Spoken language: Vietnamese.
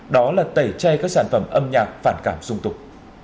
đó là tẩy chay các sản phẩm âm nhạc phản cảm dung tục